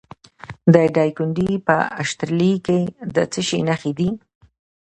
د دایکنډي په اشترلي کې د څه شي نښې دي؟